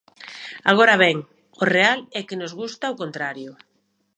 Agora ben, o real é que nos gusta o contrario.